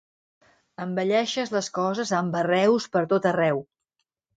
Embelleixes les coses amb arreus per tot arreu.